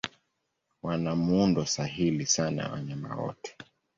Wana muundo sahili sana wa wanyama wote.